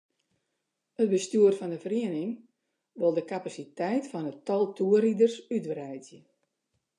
It bestjoer fan de feriening wol de kapasiteit fan it tal toerriders útwreidzje.